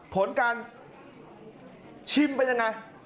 ผลการชิมเป็นยังไง